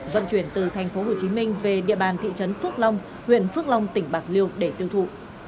vận chuyển từ tp hcm về địa bàn thị trấn phước long huyện phước long tỉnh bạc liêu để tiêu thụ